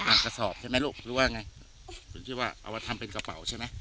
กระสอบใช่ไหมลูกหรือว่าไงหรือที่ว่าเอามาทำเป็นกระเป๋าใช่ไหม